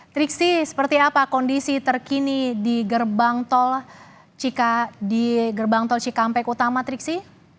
triksi seperti apa kondisi terkini di gerbang tol cikampek utama triksi